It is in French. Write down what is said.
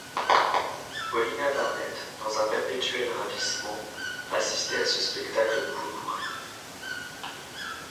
Paulina Barnett, dans un perpétuel ravissement, assistait à ce spectacle nouveau pour elle.